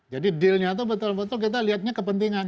jadi dealnya itu betul betul kita lihatnya kepentingan